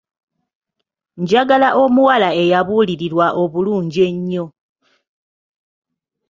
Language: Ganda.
Njagala omuwala eyabuulirirwa obulungi ennyo.